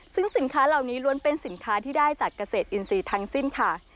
ซึ่งสินค้าเหล่านี้ล้วนเป็นสินค้าที่ได้จากเกษตรอินทรีย์ทั้งสิ้นค่ะ